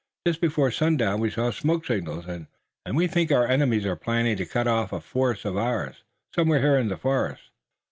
Just before sundown we saw smoke signals and we think our enemies are planning to cut off a force of ours, somewhere here in the forest."